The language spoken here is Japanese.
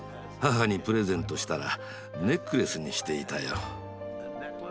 母にプレゼントしたらネックレスにしていたよ。